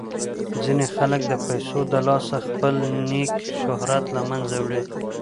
ځینې خلک د پیسو د لاسه خپل نیک شهرت له منځه وړي.